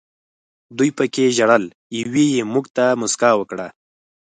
دوو پکې ژړل، یوې یې موږ ته موسکا وکړه.